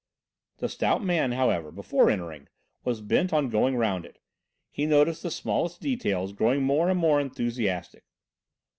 The stout man, however, before entering, was bent on going round it. He noticed the smallest details, growing more and more enthusiastic.